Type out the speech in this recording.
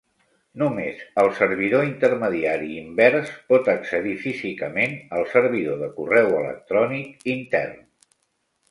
Només el servidor intermediari invers pot accedir físicament al servidor de correu electrònic intern.